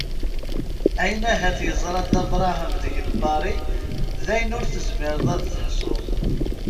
Ayen ahat yeẓra Dda Brahem deg Lpari dayen ur tezmireḍ ad teḥsuḍ.